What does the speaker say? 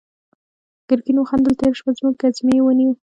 ګرګين وخندل: تېره شپه زموږ ګزمې ونيو.